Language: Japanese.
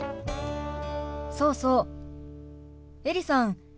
そうそうエリさん。